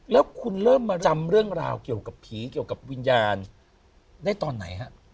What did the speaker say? แล้วคุณเริ่มมาจำเรื่องราวเกี่ยวกับผีเกี่ยวกับวิญญาณได้ตอนไหนฮะ